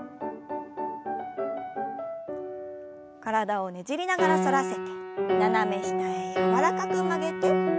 体をねじりながら反らせて斜め下へ柔らかく曲げて。